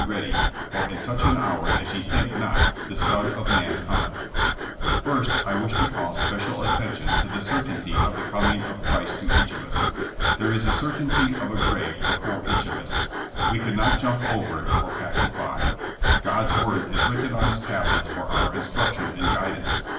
ready, for in such an hour as ye think not the Son of Man Cometh/' First, I wish to call special at tention to the certainty of the coming of Christ to each of us. There is a certainty of a grave before each of us. We cannot jump over it or pass it by. God^s word is written on His tablets for our instruction and guidance.